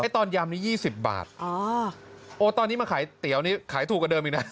ตอนยำนี้๒๐บาทตอนนี้มาขายเตี๋ยวนี่ขายถูกกว่าเดิมอีกนะ